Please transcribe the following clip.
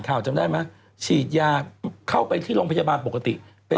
ข่าวจำได้มั้ยฉีดยาเข้าไปที่โรงพยาบาลปกติ